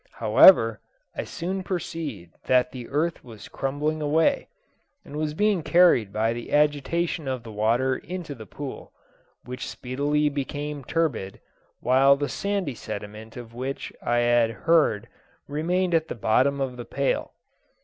However, I soon perceived that the earth was crumbling away, and was being carried by the agitation of the water into the pool, which speedily became turbid, while the sandy sediment of which I had heard remained at the bottom of the pail.